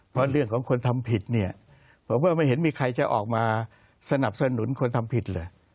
เพราะเรื่องของคนทำผิดเนี่ยผมว่าไม่เห็นมีใครจะออกมาสนับสนุนคนทำผิดเลย